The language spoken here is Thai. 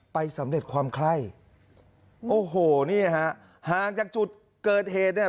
สำเร็จความไข้โอ้โหนี่ฮะห่างจากจุดเกิดเหตุเนี่ย